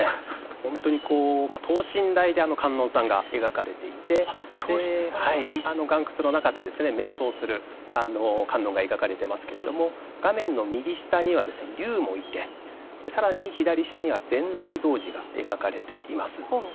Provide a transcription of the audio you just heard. ほんとにこう等身大であの観音さんが描かれていてあの岩窟の中でめい想する観音が描かれてますけれども画面の右下には龍もいて更に左下には善財童子が描かれています。